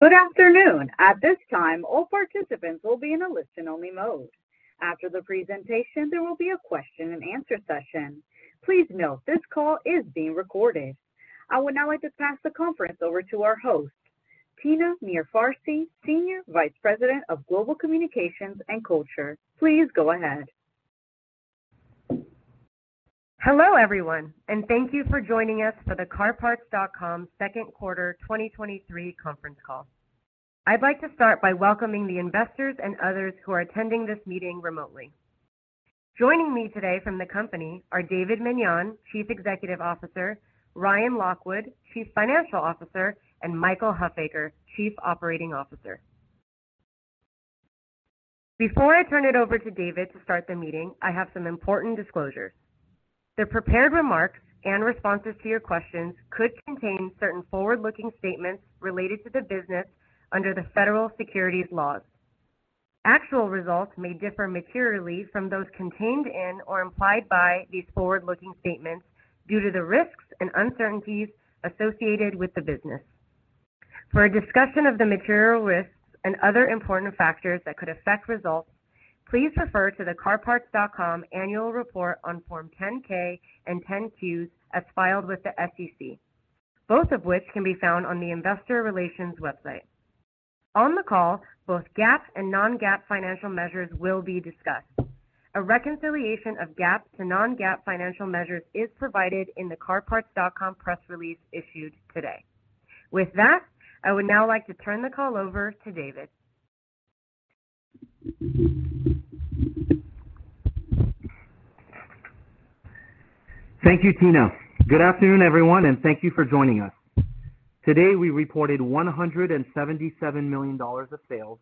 Good afternoon. At this time, all participants will be in a listen-only mode. After the presentation, there will be a question and answer session. Please note, this call is being recorded. I would now like to pass the conference over to our host, Tina Mirfarsi, Senior Vice President of Global Communications and Culture. Please go ahead. Hello, everyone, and thank you for joining us for the CarParts.com second quarter 2023 conference call. I'd like to start by welcoming the investors and others who are attending this meeting remotely. Joining me today from the company are David Meniane, Chief Executive Officer, Ryan Lockwood, Chief Financial Officer, and Michael Huffaker, Chief Operating Officer. Before I turn it over to David to start the meeting, I have some important disclosures. The prepared remarks and responses to your questions could contain certain forward-looking statements related to the business under the federal securities laws. Actual results may differ materially from those contained in or implied by these forward-looking statements due to the risks and uncertainties associated with the business. For a discussion of the material risks and other important factors that could affect results, please refer to the CarParts.com Annual Report on Form 10-K and 10-Qs as filed with the SEC, both of which can be found on the Investor Relations website. On the call, both GAAP and non-GAAP financial measures will be discussed. A reconciliation of GAAP to non-GAAP financial measures is provided in the CarParts.com press release issued today. With that, I would now like to turn the call over to David. Thank you, Tina. Good afternoon, everyone, and thank you for joining us. Today, we reported $177 million of sales,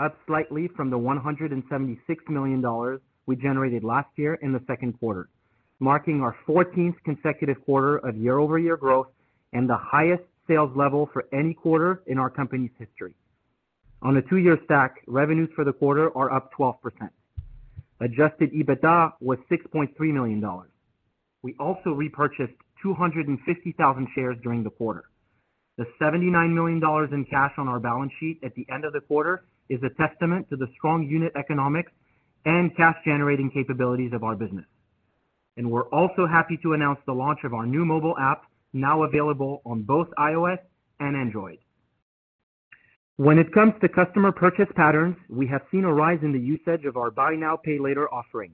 up slightly from the $176 million we generated last year in the second quarter, marking our 14th consecutive quarter of year-over-year growth and the highest sales level for any quarter in our company's history. On a two-year stack, revenues for the quarter are up 12%. Adjusted EBITDA was $6.3 million. We also repurchased 250,000 shares during the quarter. The $79 million in cash on our balance sheet at the end of the quarter is a testament to the strong unit economics and cash-generating capabilities of our business. And we're also happy to announce the launch of our new mobile app, now available on both iOS and Android. When it comes to customer purchase patterns, we have seen a rise in the usage of our buy now, pay later offerings,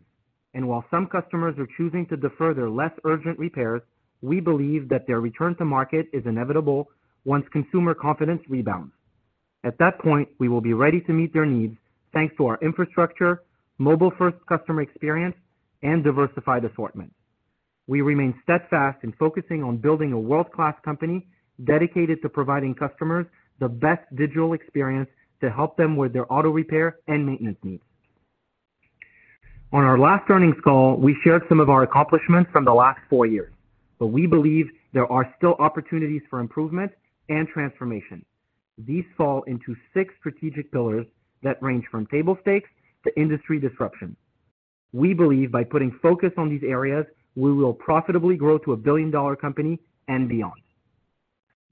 while some customers are choosing to defer their less urgent repairs, we believe that their return to market is inevitable once consumer confidence rebounds. At that point, we will be ready to meet their needs, thanks to our infrastructure, mobile-first customer experience, and diversified assortment. We remain steadfast in focusing on building a world-class company dedicated to providing customers the best digital experience to help them with their auto repair and maintenance needs. On our last earnings call, we shared some of our accomplishments from the last four years, we believe there are still opportunities for improvement and transformation. These fall into six strategic pillars that range from table stakes to industry disruption. We believe by putting focus on these areas, we will profitably grow to a billion-dollar company and beyond.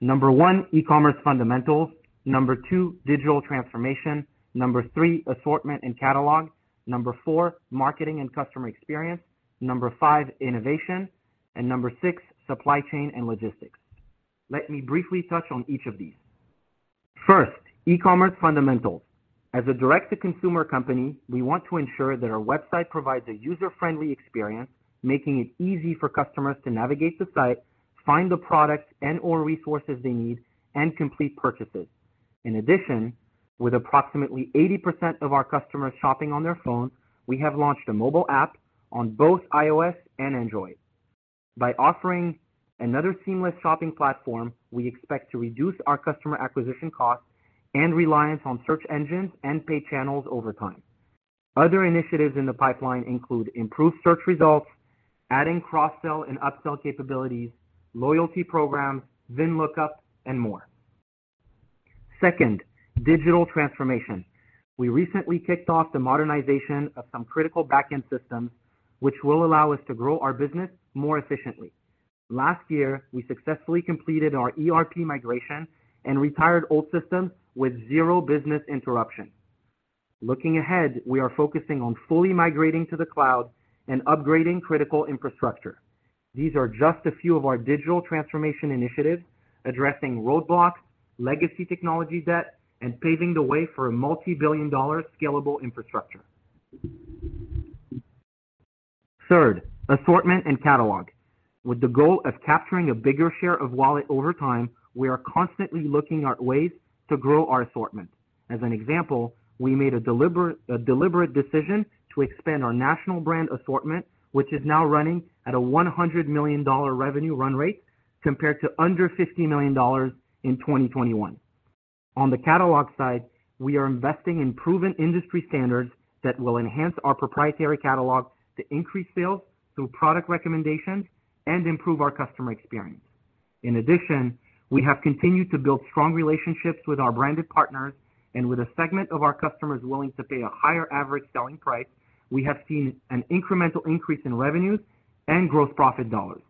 Number one, e-commerce fundamentals, number two, digital transformation, number three, assortment and catalog, number four, marketing and customer experience, number five, innovation, and number six, supply chain and logistics. Let me briefly touch on each of these. First, e-commerce fundamentals. As a direct-to-consumer company, we want to ensure that our website provides a user-friendly experience, making it easy for customers to navigate the site, find the products and/or resources they need, and complete purchases. In addition, with approximately 80% of our customers shopping on their phone, we have launched a mobile app on both iOS and Android. By offering another seamless shopping platform, we expect to reduce our customer acquisition costs and reliance on search engines and paid channels over time. Other initiatives in the pipeline include improved search results, adding cross-sell and upsell capabilities, loyalty programs, VIN lookup, and more. Second, digital transformation. We recently kicked off the modernization of some critical backend systems, which will allow us to grow our business more efficiently. Last year, we successfully completed our ERP migration and retired old systems with zero business interruption. Looking ahead, we are focusing on fully migrating to the cloud and upgrading critical infrastructure. These are just a few of our digital transformation initiatives, addressing roadblocks, legacy technology debt, and paving the way for a multi-billion dollar scalable infrastructure. Third, assortment and catalog. With the goal of capturing a bigger share of wallet over time, we are constantly looking at ways to grow our assortment. As an example, we made a deliberate decision to expand our national brand assortment, which is now running at a $100 million revenue run rate, compared to under $50 million in 2021. On the catalog side, we are investing in proven industry standards that will enhance our proprietary catalog to increase sales through product recommendations and improve our customer experience. In addition, we have continued to build strong relationships with our branded partners and with a segment of our customers willing to pay a higher average selling price, we have seen an incremental increase in revenues and gross profit dollars.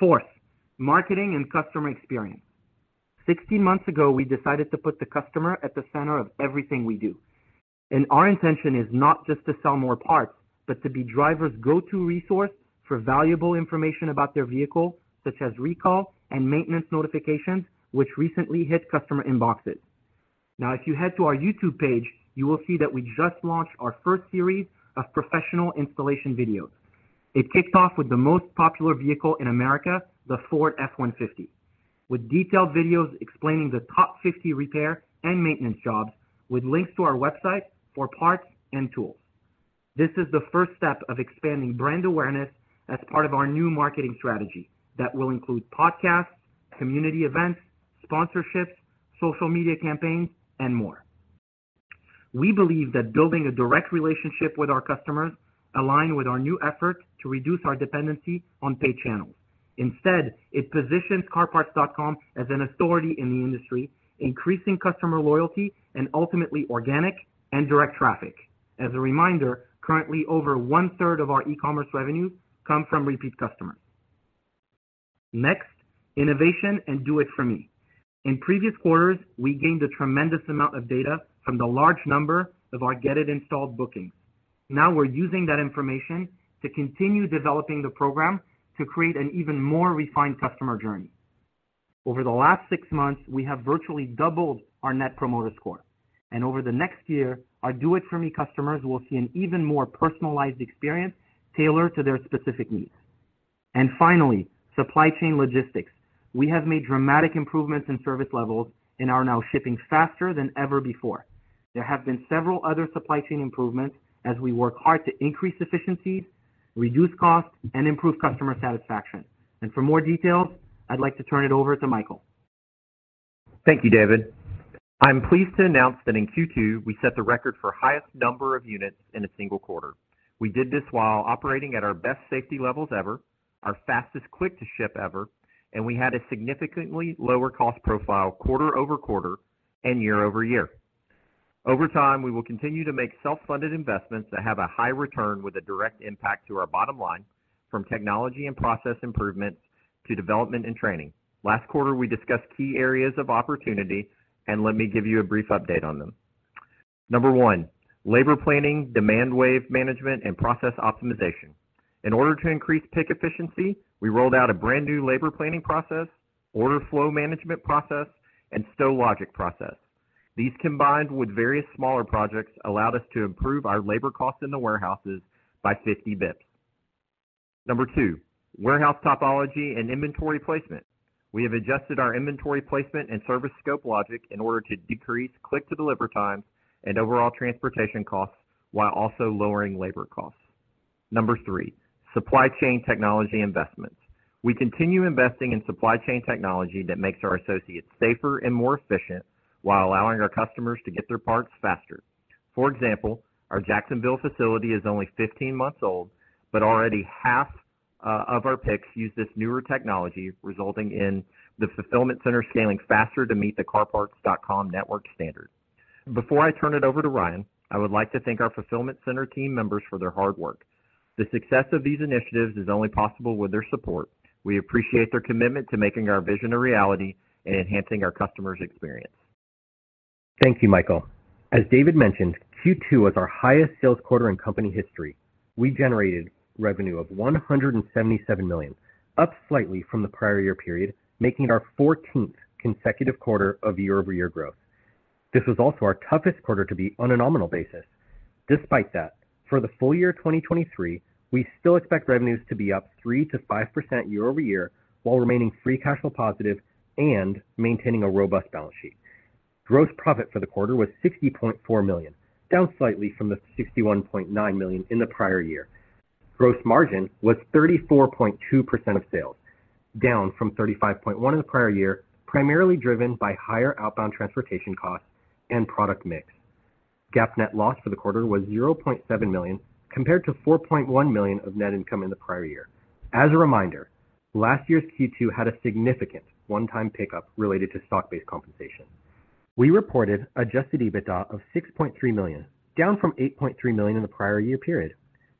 Fourth, marketing and customer experience. 16 months ago, we decided to put the customer at the center of everything we do. Our intention is not just to sell more parts, but to be drivers' go-to resource for valuable information about their vehicle, such as recall and maintenance notifications, which recently hit customer inboxes. If you head to our YouTube page, you will see that we just launched our first series of professional installation videos. It kicked off with the most popular vehicle in America, the Ford F-150, with detailed videos explaining the top 50 repair and maintenance jobs, with links to our website for parts and tools. This is the first step of expanding brand awareness as part of our new marketing strategy that will include podcasts, community events, sponsorships, social media campaigns, and more. We believe that building a direct relationship with our customers align with our new effort to reduce our dependency on paid channels. Instead, it positions CarParts.com as an authority in the industry, increasing customer loyalty and ultimately organic and direct traffic. As a reminder, currently, over one-third of our e-commerce revenue come from repeat customers. Next, innovation and Do It For Me. In previous quarters, we gained a tremendous amount of data from the large number of our Get It Installed bookings. Now we're using that information to continue developing the program to create an even more refined customer journey. Over the last six months, we have virtually doubled our Net Promoter Score, and over the next year, our Do It For Me customers will see an even more personalized experience tailored to their specific needs. Finally, supply chain logistics. We have made dramatic improvements in service levels and are now shipping faster than ever before. There have been several other supply chain improvements as we work hard to increase efficiency, reduce costs, and improve customer satisfaction. For more details, I'd like to turn it over to Michael. Thank you, David. I'm pleased to announce that in Q2, we set the record for highest number of units in a single quarter. We did this while operating at our best safety levels ever, our fastest click-to-ship ever, and we had a significantly lower cost profile quarter-over-quarter and year-over-year. Over time, we will continue to make self-funded investments that have a high return with a direct impact to our bottom line, from technology and process improvements to development and training. Last quarter, we discussed key areas of opportunity. Let me give you a brief update on them. Number one, labor planning, demand wave management, and process optimization. In order to increase pick efficiency, we rolled out a brand new labor planning process, order flow management process, and stow logic process. These, combined with various smaller projects, allowed us to improve our labor costs in the warehouses by 50 bps. Number two, warehouse topology and inventory placement. We have adjusted our inventory placement and service scope logic in order to decrease click-to-deliver time and overall transportation costs, while also lowering labor costs. Number three, supply chain technology investments. We continue investing in supply chain technology that makes our associates safer and more efficient while allowing our customers to get their parts faster. For example, our Jacksonville facility is only 15 months old, but already half of our picks use this newer technology, resulting in the fulfillment center scaling faster to meet the CarParts.com network standard. Before I turn it over to Ryan, I would like to thank our fulfillment center team members for their hard work. The success of these initiatives is only possible with their support. We appreciate their commitment to making our vision a reality and enhancing our customer's experience. Thank you, Michael. As David mentioned, Q2 was our highest sales quarter in company history. We generated revenue of $177 million, up slightly from the prior year period, making it our 14th consecutive quarter of year-over-year growth. This was also our toughest quarter to beat on a nominal basis. Despite that, for the full year 2023, we still expect revenues to be up 3%-5% year-over-year, while remaining free cash flow positive and maintaining a robust balance sheet. Gross profit for the quarter was $60.4 million, down slightly from the $61.9 million in the prior year. Gross margin was 34.2% of sales, down from 35.1% in the prior year, primarily driven by higher outbound transportation costs and product mix. GAAP net loss for the quarter was $0.7 million, compared to $4.1 million of net income in the prior year. As a reminder, last year's Q2 had a significant one-time pickup related to stock-based compensation. We reported Adjusted EBITDA of $6.3 million, down from $8.3 million in the prior year period.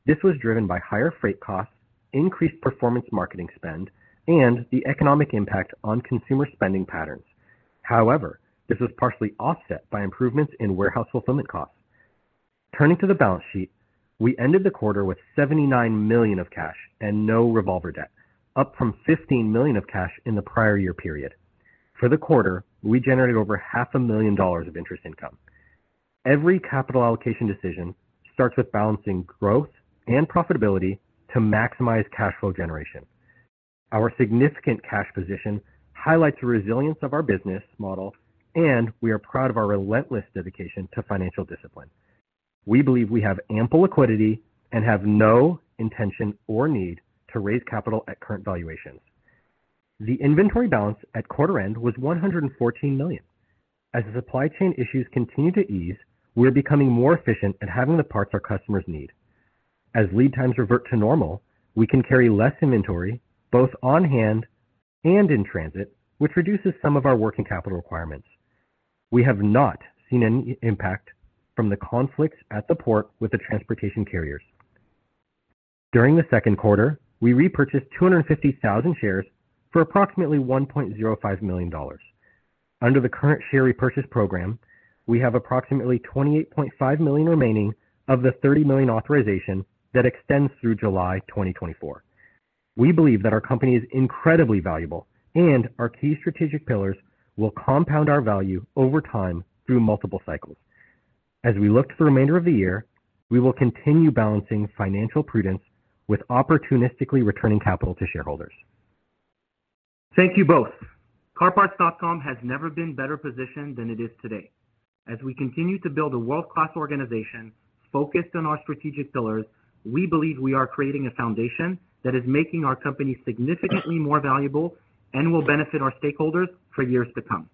This was driven by higher freight costs, increased performance marketing spend, and the economic impact on consumer spending patterns. This was partially offset by improvements in warehouse fulfillment costs. Turning to the balance sheet, we ended the quarter with $79 million of cash and no revolver debt, up from $15 million of cash in the prior year period. For the quarter, we generated over $500,000 of interest income. Every capital allocation decision starts with balancing growth and profitability to maximize cash flow generation. Our significant cash position highlights the resilience of our business model, and we are proud of our relentless dedication to financial discipline. We believe we have ample liquidity and have no intention or need to raise capital at current valuations. The inventory balance at quarter end was $114 million. As the supply chain issues continue to ease, we're becoming more efficient at having the parts our customers need. As lead times revert to normal, we can carry less inventory, both on hand and in transit, which reduces some of our working capital requirements.... We have not seen any impact from the conflicts at the port with the transportation carriers. During the second quarter, we repurchased 250,000 shares for approximately $1.05 million. Under the current share repurchase program, we have approximately $28.5 million remaining of the $30 million authorization that extends through July 2024. We believe that our company is incredibly valuable, and our key strategic pillars will compound our value over time through multiple cycles. As we look to the remainder of the year, we will continue balancing financial prudence with opportunistically returning capital to shareholders. Thank you both. CarParts.com has never been better positioned than it is today. As we continue to build a world-class organization focused on our strategic pillars, we believe we are creating a foundation that is making our company significantly more valuable and will benefit our stakeholders for years to come.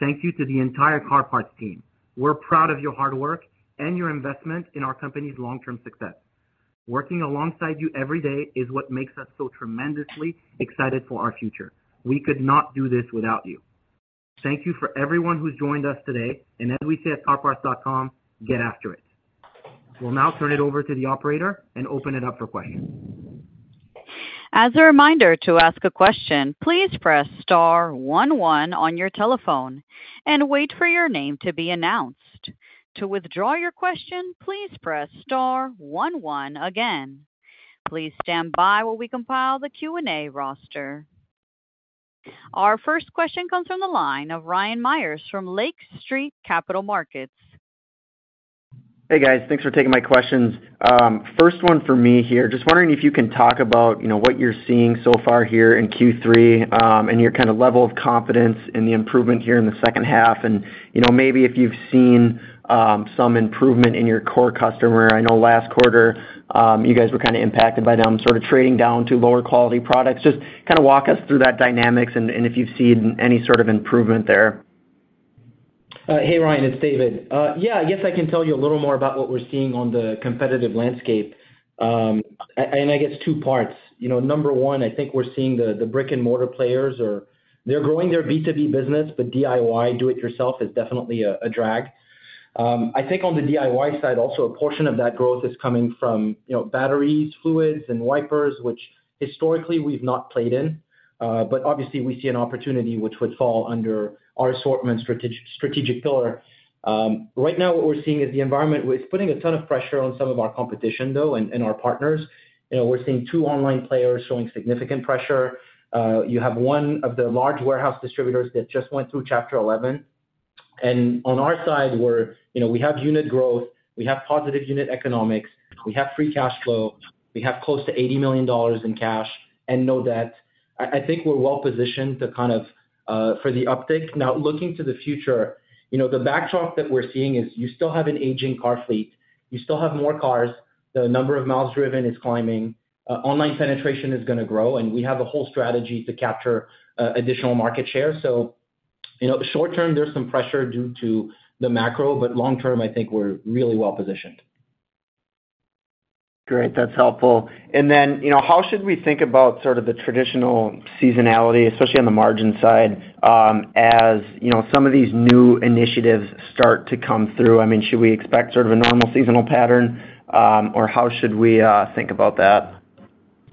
Thank you to the entire CarParts team. We're proud of your hard work and your investment in our company's long-term success. Working alongside you every day is what makes us so tremendously excited for our future. We could not do this without you. Thank you for everyone who's joined us today, and as we say at CarParts.com, "Get after it!" We'll now turn it over to the operator and open it up for questions. As a reminder, to ask a question, please press *11 on your telephone and wait for your name to be announced. To withdraw your question, please press *11 again. Please stand by while we compile the Q&A roster. Our first question comes from the line of Ryan Meyers from Lake Street Capital Markets. Hey, guys. Thanks for taking my questions. First one for me here, just wondering if you can talk about, you know, what you're seeing so far here in Q3, and your kind of level of confidence in the improvement here in the second half, and, you know, maybe if you've seen some improvement in your core customer. I know last quarter, you guys were kind of impacted by them sort of trading down to lower quality products. Just kind of walk us through that dynamics and, and if you've seen any sort of improvement there? Hey, Ryan, it's David. Yeah, I guess I can tell you a little more about what we're seeing on the competitive landscape. I guess two parts. You know, number one, I think we're seeing the, the brick-and-mortar players they're growing their B2B business, but DIY, do it yourself, is definitely a drag. I think on the DIY side, also, a portion of that growth is coming from, you know, batteries, fluids, and wipers, which historically we've not played in, but obviously we see an opportunity which would fall under our assortment strategic, strategic pillar. Right now, what we're seeing is the environment, which is putting a ton of pressure on some of our competition, though, and our partners. You know, we're seeing two online players showing significant pressure. You have one of the large warehouse distributors that just went through Chapter 11. On our side, we're... You know, we have unit growth, we have positive unit economics, we have free cash flow, we have close to $80 million in cash and no debt. I, I think we're well positioned to kind of for the uptick. Now, looking to the future, you know, the backdrop that we're seeing is you still have an aging car fleet, you still have more cars, the number of miles driven is climbing, online penetration is going to grow, and we have a whole strategy to capture additional market share. You know, short term, there's some pressure due to the macro, but long term, I think we're really well positioned. Great. That's helpful. How should we think about sort of the traditional seasonality, especially on the margin side, as, you know, some of these new initiatives start to come through? I mean, should we expect sort of a normal seasonal pattern, or how should we think about that?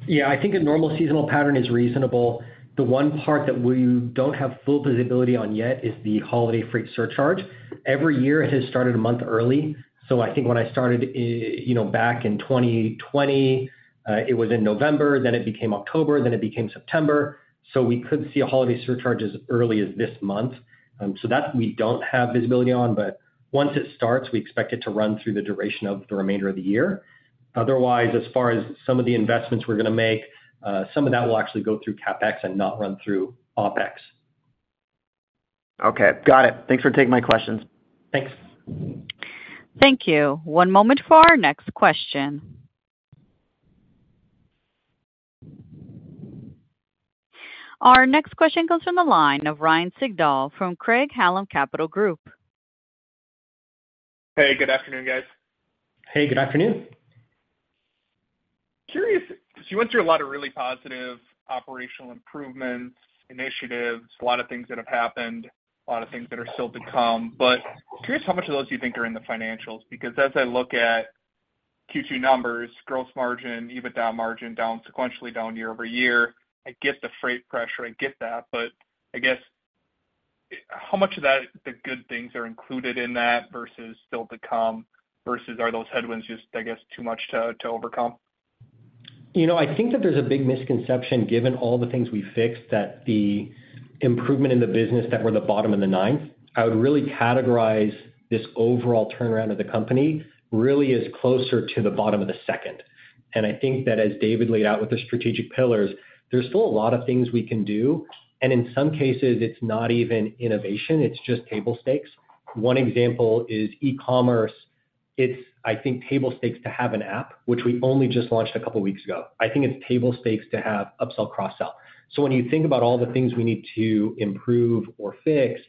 Yeah, I think a normal seasonal pattern is reasonable. The one part that we don't have full visibility on yet is the holiday freight surcharge. Every year, it has started a month early. I think when I started you know, back in 2020, it was in November, then it became October, then it became September, so we could see a holiday surcharge as early as this month. That we don't have visibility on, but once it starts, we expect it to run through the duration of the remainder of the year. Otherwise, as far as some of the investments we're goning to make, some of that will actually go through CapEx and not run through OpEx. Okay, got it. Thanks for taking my questions. Thanks. Thank you. One moment for our next question. Our next question comes from the line of Ryan Sigdahl from Craig-Hallum Capital Group. Hey, good afternoon, guys. Hey, good afternoon. Curious, because you went through a lot of really positive operational improvements, initiatives, a lot of things that have happened, a lot of things that are still to come, but curious how much of those you think are in the financials? As I look at Q2 numbers, gross margin, EBITDA margin, down sequentially, down year-over-year, I get the freight pressure, I get that, but I guess, how much of that, the good things are included in that versus still to come, versus are those headwinds just, I guess, too much to overcome? You know, I think that there's a big misconception, given all the things we fixed, that the improvement in the business that we're in the bottom of the ninth. I would really categorize this overall turnaround of the company really as closer to the bottom of the second. I think that as David laid out with the strategic pillars, there's still a lot of things we can do, and in some cases, it's not even innovation, it's just table stakes. One example is e-commerce. It's, I think, table stakes to have an app, which we only just launched a couple of weeks ago. I think it's table stakes to have upsell, cross-sell. When you think about all the things we need to improve or fix,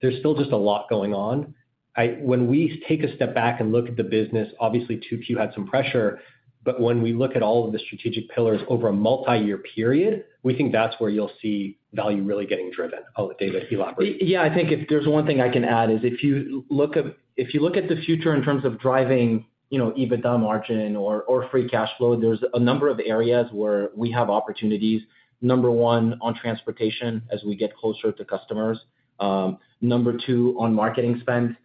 there's still just a lot going on. I, when we take a step back and look at the business, obviously, Two Q had some pressure, but when we look at all of the strategic pillars over a multi-year period, we think that's where you'll see value really getting driven. Oh, David, do you want to- Yeah, I think if there's 1 thing I can add is if you look at, if you look at the future in terms of driving, you know, EBITDA margin or, or free cash flow, there's a number of areas where we have opportunities. Number 1, on transportation, as we get closer to customers. Number two, on marketing spend.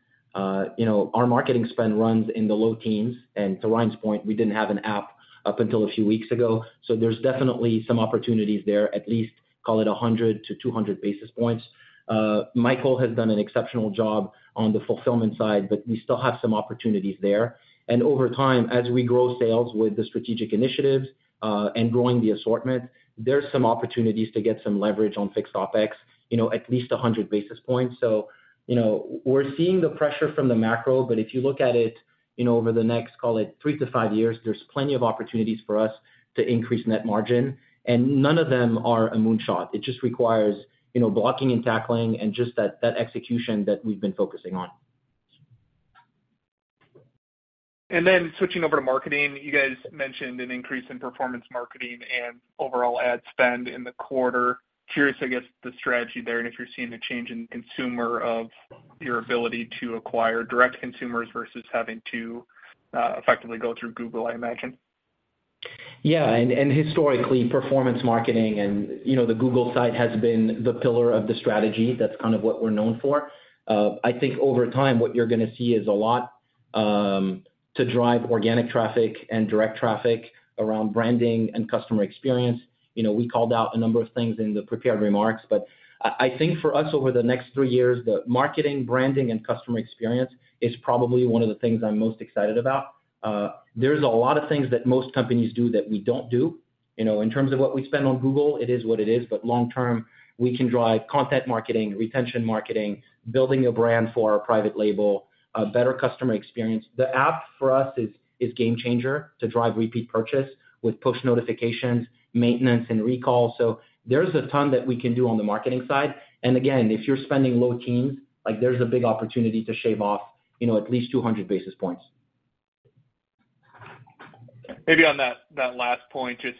You know, our marketing spend runs in the low teens, and to Ryan's point, we didn't have an app up until a few weeks ago, so there's definitely some opportunities there, at least call it 100-200 basis points. Michael has done an exceptional job on the fulfillment side, but we still have some opportunities there. Over time, as we grow sales with the strategic initiatives, and growing the assortment, there's some opportunities to get some leverage on fixed OpEx, you know, at least 100 basis points. You know, we're seeing the pressure from the macro, but if you look at it, you know, over the next, call it 3-5 years, there's plenty of opportunities for us to increase net margin, and none of them are a moonshot. It just requires, you know, blocking and tackling and just that, that execution that we've been focusing on. Then switching over to marketing, you guys mentioned an increase in performance marketing and overall ad spend in the quarter. Curious, I guess, the strategy there, and if you're seeing a change in consumer of your ability to acquire direct consumers versus having to effectively go through Google, I imagine? Yeah, and historically, performance marketing and, you know, the Google side has been the pillar of the strategy. That's kind of what we're known for. I think over time, what you're going to see is a lot to drive organic traffic and direct traffic around branding and customer experience. You know, we called out a number of things in the prepared remarks, but I, I think for us, over the next three years, the marketing, branding, and customer experience is probably one of the things I'm most excited about. There's a lot of things that most companies do that we don't do. You know, in terms of what we spend on Google, it is what it is, but long term, we can drive content marketing, retention marketing, building a brand for our private label, a better customer experience. The app for us is, is game changer to drive repeat purchase with push notifications, maintenance, and recalls. There's a ton that we can do on the marketing side, and again, if you're spending low teens, like, there's a big opportunity to shave off, you know, at least 200 basis points. Maybe on that, that last point, just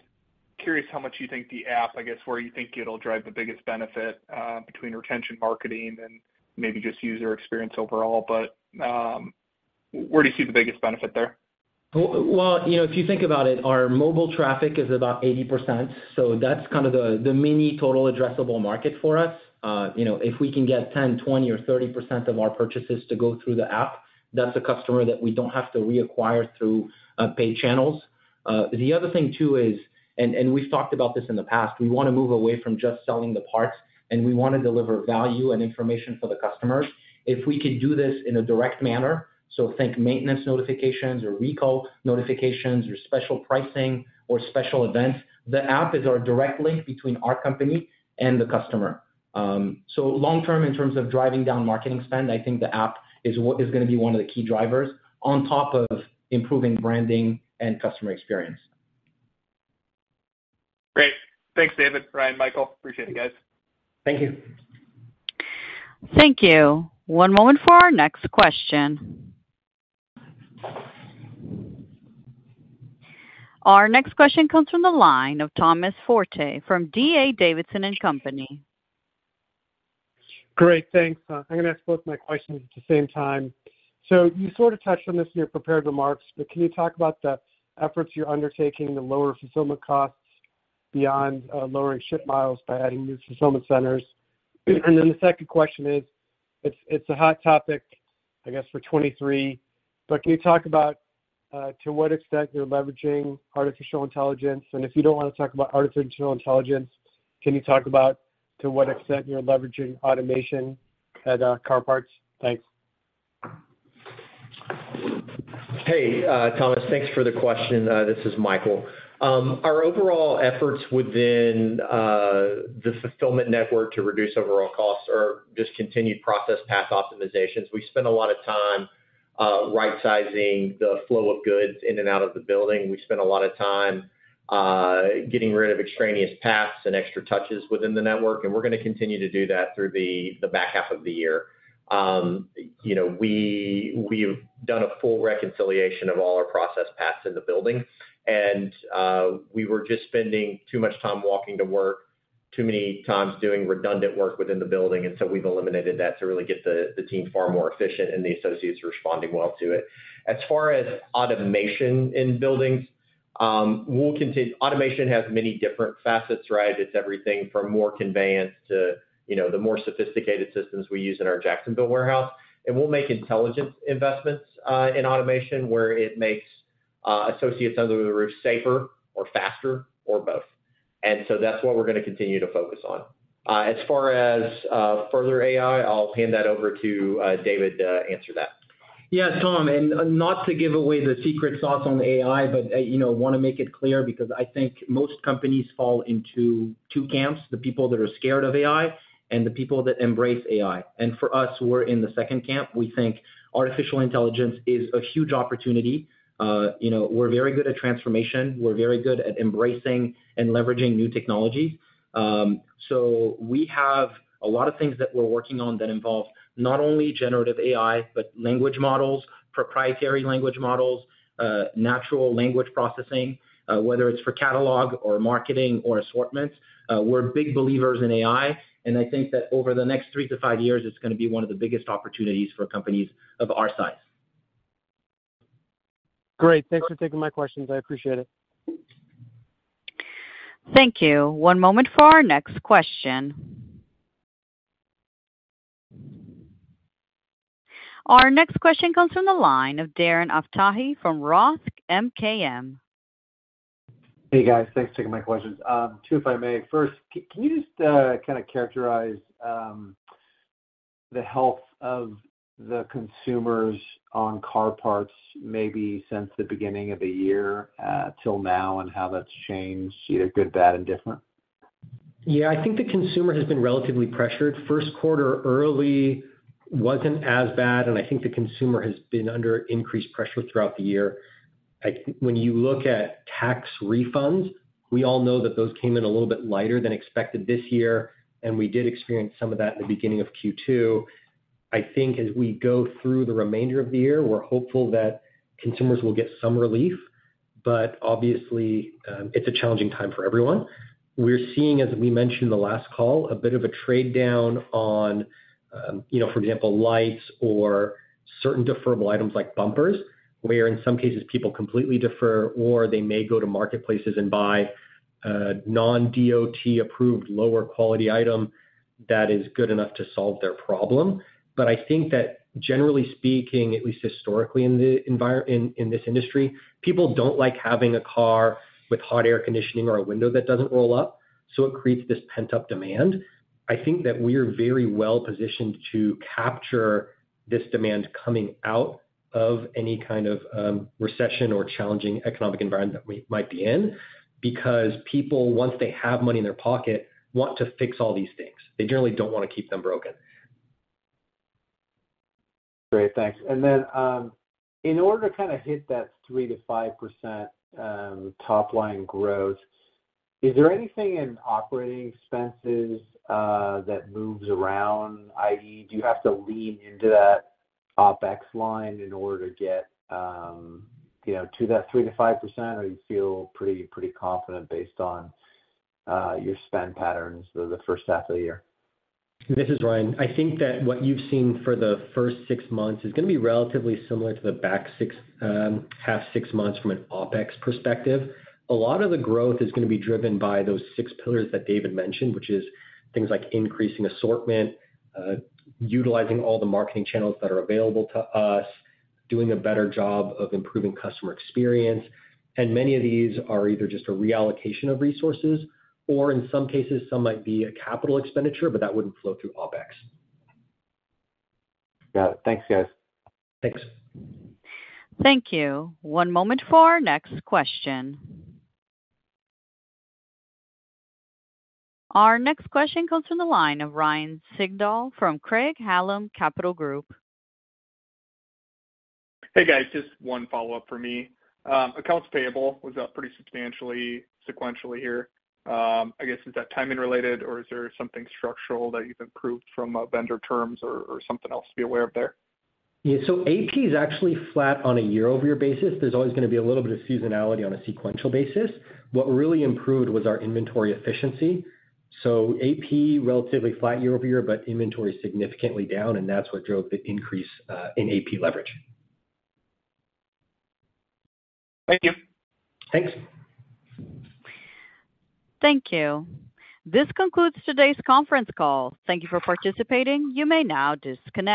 curious how much you think the app, I guess, where you think it'll drive the biggest benefit, between retention marketing and maybe just user experience overall. Where do you see the biggest benefit there? Well, you know, if you think about it, our mobile traffic is about 80%, so that's kind of the, the mini total addressable market for us. You know, if we can get 10%, 20%, or 30% of our purchases to go through the app, that's a customer that we don't have to reacquire through paid channels. The other thing, too, is, and, and we've talked about this in the past, we want to move away from just selling the parts, and we want to deliver value and information for the customers. If we can do this in a direct manner, so think maintenance notifications or recall notifications or special pricing or special events, the app is our direct link between our company and the customer. Long term, in terms of driving down marketing spend, I think the app is going to be one of the key drivers on top of improving branding and customer experience. Great. Thanks, David, Ryan, Michael. Appreciate it, guys. Thank you. Thank you. One moment for our next question. Our next question comes from the line of Thomas Forte from D.A. Davidson & Co.. Great, thanks. I'm going to ask both my questions at the same time. You sort of touched on this in your prepared remarks, but can you talk about the efforts you're undertaking to lower fulfillment costs beyond lowering ship miles by adding new fulfillment centers? Then the second question is, it's, it's a hot topic, I guess, for 2023, but can you talk about to what extent you're leveraging artificial intelligence? If you don't want to talk about artificial intelligence, can you talk about to what extent you're leveraging automation at Car Parts? Thanks. Hey, Thomas, thanks for the question. This is Michael. Our overall efforts within the fulfillment network to reduce overall costs are just continued process path optimizations. We spend a lot of time right-sizing the flow of goods in and out of the building. We spend a lot of time getting rid of extraneous paths and extra touches within the network, and we're going to continue to do that through the, the back half of the year. You know, we, we've done a full reconciliation of all our process paths in the building, and we were just spending too much time walking to work, too many times doing redundant work within the building, and so we've eliminated that to really get the, the team far more efficient, and the associates are responding well to it. As far as automation in buildings, we'll continue... Automation has many different facets, right? It's everything from more conveyance to, you know, the more sophisticated systems we use in our Jacksonville warehouse. We'll make intelligent investments in automation, where it makes associates under the roof safer or faster or both. That's what we're going to continue to focus on. As far as further AI, I'll hand that over to David to answer that. Yeah, Tom, not to give away the secret sauce on AI, but, you know, want to make it clear, because I think most companies fall into two camps, the people that are scared of AI and the people that embrace AI. For us, we're in the second camp. We think artificial intelligence is a huge opportunity. You know, we're very good at transformation. We're very good at embracing and leveraging new technology. So we have a lot of things that we're working on that involve not only generative AI, but language models, proprietary language models, natural language processing, whether it's for catalog or marketing or assortment. We're big believers in AI. I think that over the next 3 to 5 years, it's going to be one of the biggest opportunities for companies of our size. Great. Thanks for taking my questions. I appreciate it. Thank you. One moment for our next question. Our next question comes from the line of Darren Aftahi from ROTH MKM. Hey, guys. Thanks for taking my questions. Two, if I may. First, can you just kind of characterize the health of the consumers on CarParts.com, maybe since the beginning of the year till now, and how that's changed, either good, bad, and different? Yeah. I think the consumer has been relatively pressured. First quarter early wasn't as bad. I think the consumer has been under increased pressure throughout the year. When you look at tax refunds, we all know that those came in a little bit lighter than expected this year. We did experience some of that in the beginning of Q2. I think as we go through the remainder of the year, we're hopeful that consumers will get some relief. Obviously, it's a challenging time for everyone. We're seeing, as we mentioned in the last call, a bit of a trade-down on, you know, for example, lights or certain deferrable items like bumpers, where in some cases people completely defer or they may go to marketplaces and buy a non-DOT-approved, lower quality item that is good enough to solve their problem. I think that generally speaking, at least historically in this industry, people don't like having a car with hot air conditioning or a window that doesn't roll up. It creates this pent-up demand. I think that we are very well positioned to capture this demand coming out of any kind of recession or challenging economic environment that we might be in, because people, once they have money in their pocket, want to fix all these things. They generally don't want to keep them broken. Great, thanks. In order to kind of hit that 3%-5% top line growth, is there anything in operating expenses that moves around, i.e., do you have to lean into that OpEx line in order to get, you know, to that 3%-5%? Or you feel pretty, pretty confident based on your spend patterns for the first half of the year? This is Ryan. I think that what you've seen for the first six months is going to be relatively similar to the back six half six months from an OpEx perspective. A lot of the growth is going to be driven by those six pillars that David mentioned, which is things like increasing assortment, utilizing all the marketing channels that are available to us, doing a better job of improving customer experience. Many of these are either just a reallocation of resources or in some cases, some might be a capital expenditure, but that wouldn't flow through OpEx. Got it. Thanks, guys. Thanks. Thank you. One moment for our next question. Our next question comes from the line of Ryan Sigdahl from Craig-Hallum Capital Group. Hey, guys, just one follow-up for me. accounts payable was up pretty substantially sequentially here. I guess, is that timing related, or is there something structural that you've improved from, vendor terms or, or something else to be aware of there? Yeah, AP is actually flat on a year-over-year basis. There's always going to be a little bit of seasonality on a sequential basis. What really improved was our inventory efficiency. AP, relatively flat year over year, but inventory is significantly down, and that's what drove the increase in AP leverage. Thank you. Thanks. Thank you. This concludes today's conference call. Thank you for participating. You may now disconnect.